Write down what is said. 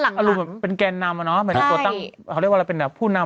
คุณสอมเทศวัสก็บอกว่ากระเด็นก็ต้องรอ